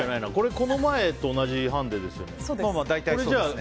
この前と同じハンデですよね？